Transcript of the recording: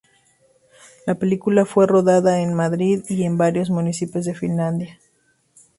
La película fue rodada en Madrid y en varios municipios de Finlandia.